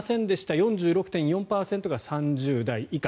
４６．４％が３０代以下。